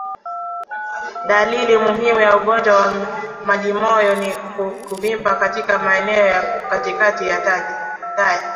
Dalili muhimu ya ugonjwa wa majimoyo ni kuvimba katika maeneo ya katikati ya taya